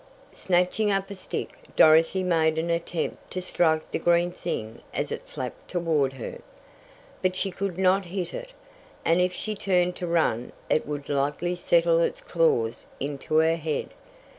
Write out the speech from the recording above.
Snatching up a stick, Dorothy made an attempt to strike the green thing as it flapped toward her. But she could not hit it! And if she turned to run it would likely settle its claws into her head.